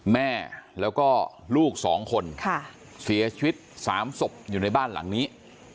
แม่แล้วก็ลูก๒คนเสียชีวิต๓ศพอยู่ในบ้านหลังนี้